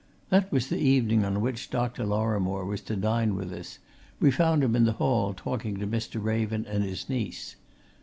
That was the evening on which Dr. Lorrimore was to dine with us we found him in the hall, talking to Mr. Raven and his niece.